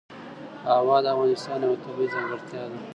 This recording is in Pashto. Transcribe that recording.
هوا د افغانستان یوه طبیعي ځانګړتیا ده.